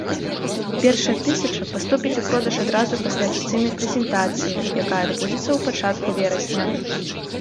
Першая тысяча паступіць у продаж адразу пасля афіцыйнай прэзентацыі, якая адбудзецца ў пачатку верасня.